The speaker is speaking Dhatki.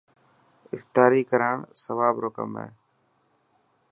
افتاري ڪراڻ سواب رو ڪم هي